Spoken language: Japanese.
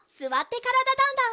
「からだダンダンダン」